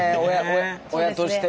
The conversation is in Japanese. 親としては。